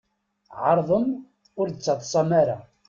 Ɛeṛḍem ur d-ttaḍsam ara.